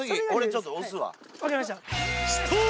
分かりました。